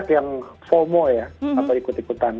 ada yang fomo ya atau ikut ikutan